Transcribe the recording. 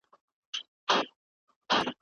هغه مقاله چي نوي معلومات ولري ښه ده.